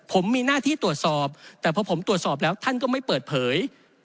ผมมีหน้าที่ตรวจสอบแต่พอผมตรวจสอบแล้วท่านก็ไม่เปิดเผย